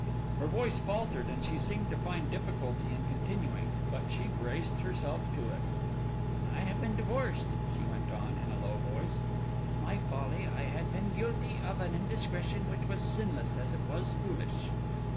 Her voice faltered, and she seemed to find difficulty in continuing, but she braced herself to it. "I had been divorced," she went on, in a low voice; "in my folly I had been guilty of an indiscretion which was sinless as it was foolish.